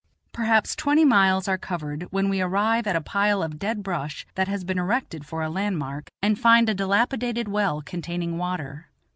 Perhaps twenty miles are covered, when we arrive at a pile of dead brush that has been erected for a landmark, and find a dilapidated well containing water.